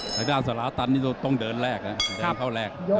ทางด้านสลาตันนี่ต้องเดินแรกนะเดินเข้าแรก